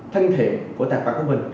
thân thiện của tài khoản của mình